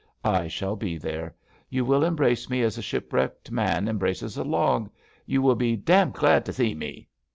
I shall be there. You will embrace me as a shipwrecked man embraces a log. You will be dam glad t' see me.''